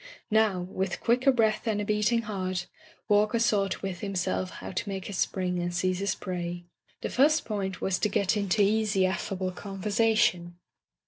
Now, with quicker breath and a beating heart. Walker sought with himself how to make his spring and seize his prey. The first point was to get into easy, affable conversation.